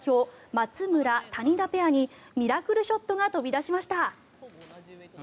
松村・谷田ペアにミラクルショットが飛び出しました。